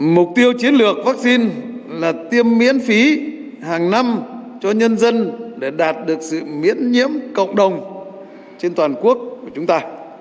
mục tiêu chiến lược vaccine là tiêm miễn phí hàng năm cho nhân dân để đạt được sự miễn nhiễm cộng đồng trên toàn quốc của chúng ta